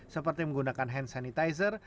seperti menggunakan hand sanitizer